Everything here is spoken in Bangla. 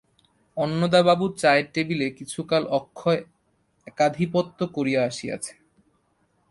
অন্নদাবাবুর চায়ের টেবিলে কিছুকাল অক্ষয় একাধিপত্য করিয়া আসিয়াছে।